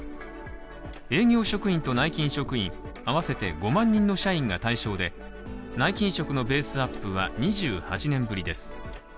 営業職員と内勤職員、合わせて５万人の社員が対象で内勤職のベースアップは２８年ぶりです。